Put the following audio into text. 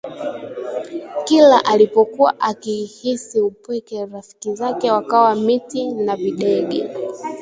Kila alipokuwa akihisi upweke rafiki zake wakawa miti na videge